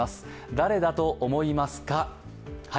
誰だと思いますか？